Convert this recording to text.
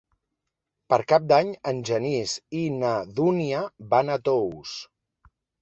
Per Cap d'Any en Genís i na Dúnia van a Tous.